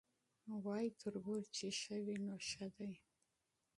وایي تربور چي ښه وي نو ښه دی